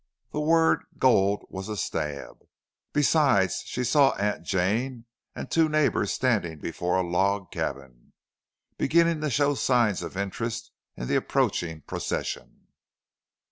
The word gold was a stab. Besides, she saw Aunt Jane and two neighbors standing before a log cabin, beginning to show signs of interest in the approaching procession.